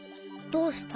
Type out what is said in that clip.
「どうした」？